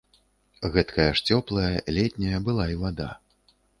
Гэткая ж цёплая, летняя была і вада.